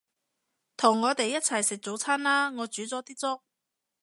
同我哋一齊食早餐啦，我煮咗啲粥